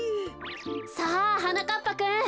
さあはなかっぱくん。